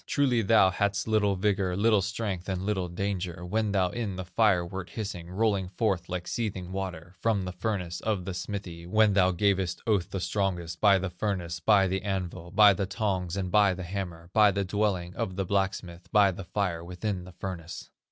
Truly thou hadst little vigor, Little strength, and little danger, When thou in the fire wert hissing, Rolling forth like seething water, From the furnace of the smithy, When thou gavest oath the strongest, By the furnace, by the anvil, By the tongs, and by the hammer, By the dwelling of the blacksmith, By the fire within the furnace.